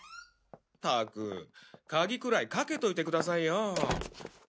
ったく鍵くらいかけといてくださいよ。